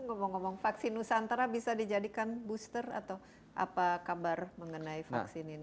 ngomong ngomong vaksin nusantara bisa dijadikan booster atau apa kabar mengenai vaksin ini